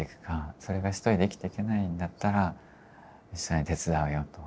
それが一人で生きていけないんだったら一緒に手伝うよと。